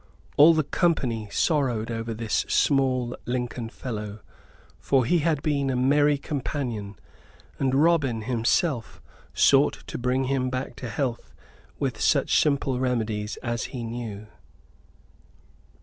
All the company sorrowed over this small Lincoln fellow, for he had been a merry companion, and Robin himself sought to bring him back to health with such simple remedies as he knew.